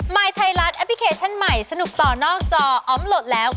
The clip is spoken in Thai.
ยไทยรัฐแอปพลิเคชันใหม่สนุกต่อนอกจออมโหลดแล้ว